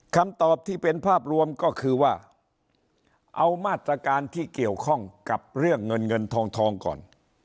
คำตอบที่เป็นภาพรวมก็คือว่าเอามาตรการที่เกี่ยวข้องกับเรื่องเงินเงินทองทองก่อน